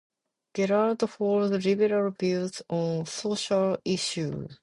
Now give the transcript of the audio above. Gerrard holds liberal views on social issues.